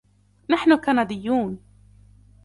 نحن كنديون.